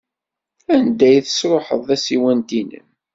Anda ay tesṛuḥeḍ tasiwant-nnem?